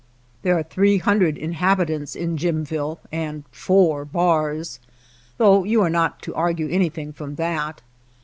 There are three hundred in habitants in Jimville and four bars, though you are not to argue anything from that.